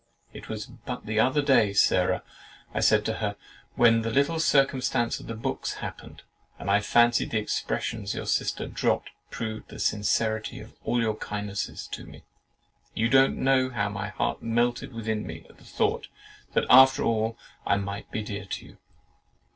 It was but the other day, Sarah," I said to her, "when that little circumstance of the books happened, and I fancied the expressions your sister dropped proved the sincerity of all your kindness to me—you don't know how my heart melted within me at the thought, that after all, I might be dear to you.